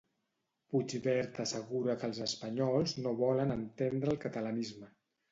Puigverd assegura que els espanyols no volen entendre el catalanisme.